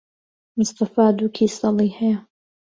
مستەفا دوو کیسەڵی ھەیە.